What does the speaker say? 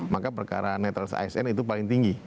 maka perkara netral asn itu paling tinggi